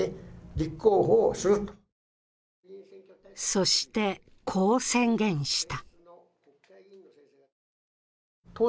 そして、こう宣言した。